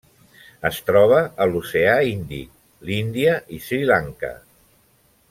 Es troba a l'Oceà Índic: l'Índia i Sri Lanka.